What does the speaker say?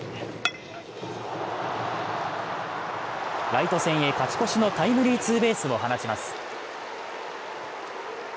ライト線へ勝ち越しのタイムリーツーベースを放ちます。